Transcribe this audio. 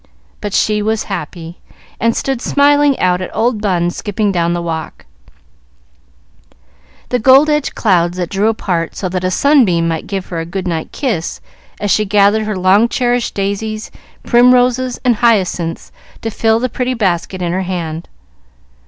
But she was happy, and stood smiling out at old Bun skipping down the walk, the gold edged clouds that drew apart so that a sunbeam might give her a good night kiss as she gathered her long cherished daisies, primroses, and hyacinths to fill the pretty basket in her hand.